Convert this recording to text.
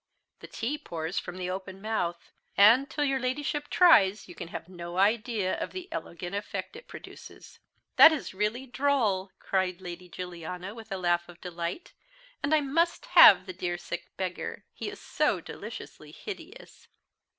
The tea pours from the open mouth; and, till your Ladyship tries, you can have no idea of the elegant effect it produces." "That is really droll," cried Lady Juliana, with a laugh of delight; "and I must have the dear sick beggar; he is so deliciously hideous."